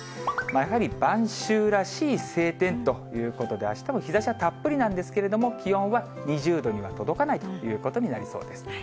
やはり晩秋らしい晴天ということで、あしたも日ざしはたっぷりなんですけれども、気温は２０度には届かないということになりそうです。